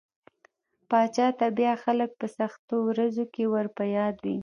پاچا ته بيا خلک په سختو ورځو کې ور په ياد وي.